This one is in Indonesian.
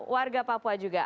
warga papua juga